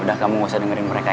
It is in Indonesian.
udah kamu gak usah dengerin mereka